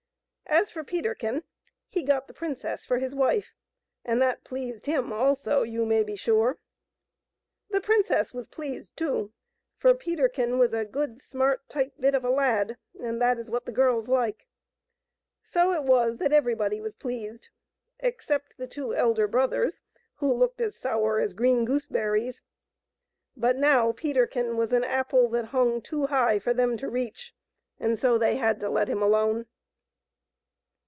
As for Peterkin, he got the princess for his wife, and that pleased him also, you may be sure. The princess was pleased too, for Peterkin was a good, smart, tight bit of a lad, and that is what the girls like. So it was that everybody was pleased except the two elder brothers, who looked as sour as green gooseberries. But now Peterkin was an apple that hung too high for them to reach, and so they had to let him alone.